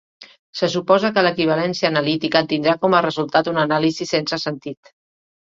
Se suposa que l'equivalència analítica tindrà com a resultat una anàlisi sense sentit.